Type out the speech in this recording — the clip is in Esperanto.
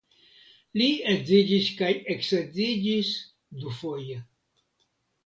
Li edziĝis kaj eksedziĝis dufoje.